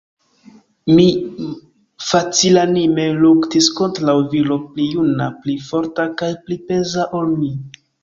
Mi facilanime luktis kontraŭ viro pli juna, pli forta kaj pli peza ol mi.